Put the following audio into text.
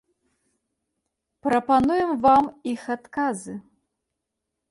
Прапануем вам іх адказы.